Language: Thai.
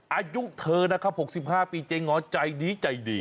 อายุเธอนะครับ๖๕ปีเจ๊ง้อใจดีใจดี